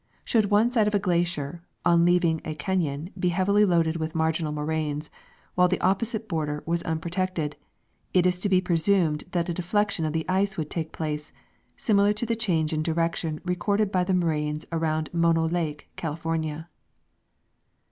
Should one side of a glacier, on leaving a cailon, be heavily loaded with marginal moraines, while the opposite border was unprotected, it is to be presumed that a deflection of the ice would take place similar to the change in direction recorded by the moraines about Mono lake, California.